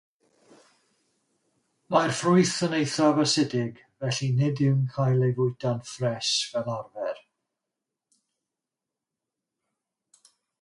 Mae'r ffrwyth yn eithaf asidig, felly nid yw'n cael ei fwyta'n ffres fel arfer.